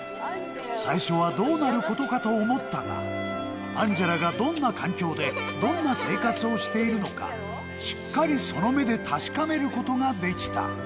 最初はどうなることかと思ったが、アンジェラがどんな環境で、どんな生活をしているのか、しっかりその目で確かめることができた。